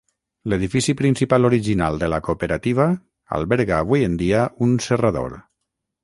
L'edifici principal original de la cooperativa alberga avui en dia un serrador.